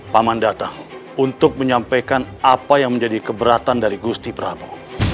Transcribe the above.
paman datang untuk menyampaikan apa yang menjadi keberatan dari gusti prabowo